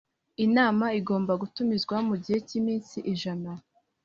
inama igomba gutumizwa mugihe cy ‘iminsi ijana.